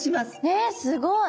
えすごい！